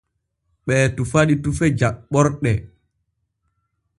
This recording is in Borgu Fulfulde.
Ɓee tufa ɗi tufe jaɓɓorɗe.